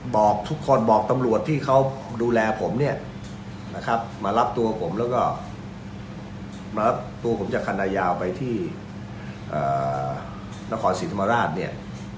บอกทุกคนบอกตำรวจที่เขาดูแลผมเนี่ยนะครับมารับตัวผมแล้วก็มารับตัวผมจากคณะยาวไปที่นครศรีธรรมราชเนี่ย